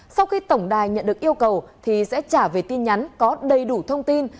sau khi tổng đài nhận được yêu cầu thì sẽ trả về tin nhắn có đầy đủ thông tin